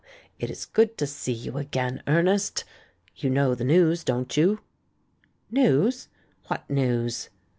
it is good to see you again, Ernest. You know the news, don't you ?" "News? What news?"